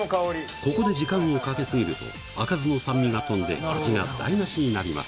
ここで時間をかけ過ぎると、赤酢の酸味が飛んで、味がだいなしになります。